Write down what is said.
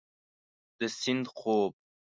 د سیند خوب